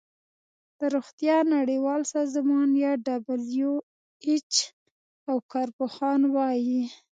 د روغتیا نړیوال سازمان یا ډبلیو ایچ او کار پوهان وايي